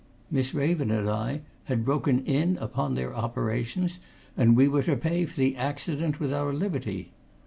Miss Raven and I had broken in upon their operations, and we were to pay for the accident with our liberty.